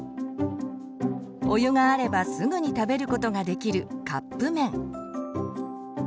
お湯があればすぐに食べることができるカップ麺。